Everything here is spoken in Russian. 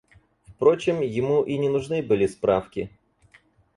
Впрочем, ему и не нужны были справки.